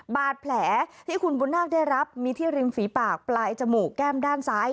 บาดแผลที่คุณบุญนาคได้รับมีที่ริมฝีปากปลายจมูกแก้มด้านซ้าย